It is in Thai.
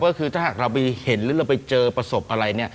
ก็คือถ้าหากเราไปเห็นหรือเราไปเจอประสบอะไร